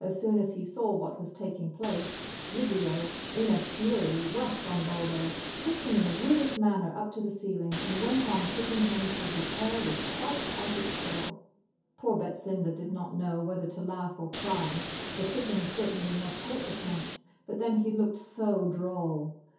As soon as he saw what was taking place, Giglio, in a fury, rushed on Bulbo, kicked him in the rudest manner up to the ceiling, and went on kicking him till his hair was quite out of curl. Poor Betsinda did not know whether to laugh or to cry; the kicking certainly must hurt the Prince, but then he looked so droll!